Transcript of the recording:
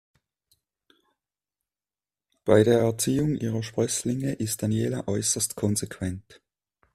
Bei der Erziehung ihrer Sprösslinge ist Daniela äußerst konsequent.